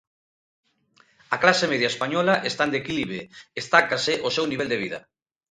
A clase media española está en declive, estáncase o seu nivel de vida.